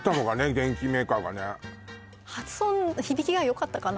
電機メーカーがね発音響きがよかったかな